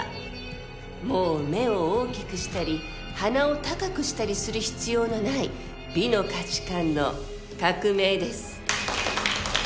もう目を大きくしたり鼻を高くしたりする必要のない美の価値観の革命です。